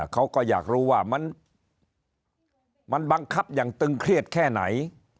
เขาก็อยากรู้ว่ามันบังคับอย่างตึงเครียดแค่ไหน